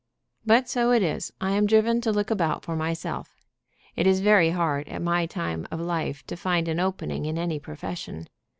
"But so it is, I am driven to look about for myself. It is very hard at my time of life to find an opening in any profession.